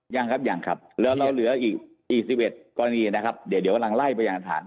ยังครับแล้วเราเหลืออีก๑๑บั๗๕๐๕๕๑บาทก่อนนี้เดี๋ยวกำลังไล่บริจารณฐาน